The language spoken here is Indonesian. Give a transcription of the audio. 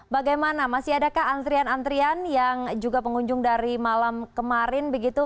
bagaimana masih adakah antrian antrian yang juga pengunjung dari malam kemarin begitu